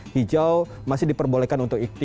hijau masih diperbolehkan untuk